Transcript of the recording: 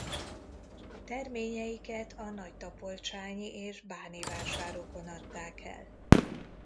Terményeiket a nagytapolcsányi és báni vásárokon adták el.